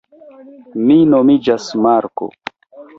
Mi nomiĝas Marko